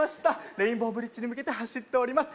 レインボーブリッジに向けて走っております